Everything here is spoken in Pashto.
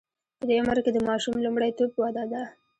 په دې عمر کې د ماشوم لومړیتوب وده ده.